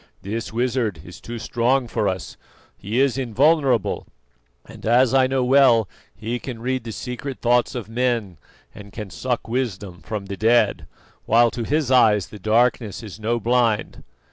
"This wizard is too strong for us; he is invulnerable, and as I know well he can read the secret thoughts of men and can suck wisdom from the dead, while to his eyes the darkness is no blind."